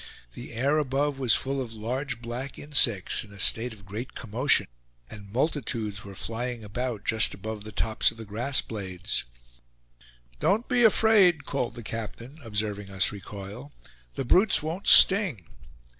The air above was full of large black insects, in a state of great commotion, and multitudes were flying about just above the tops of the grass blades. "Don't be afraid," called the captain, observing us recoil. "The brutes won't sting."